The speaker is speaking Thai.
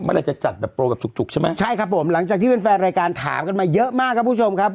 อะไรจะจัดแบบโปรแบบจุกจุกใช่ไหมใช่ครับผมหลังจากที่แฟนรายการถามกันมาเยอะมากครับคุณผู้ชมครับ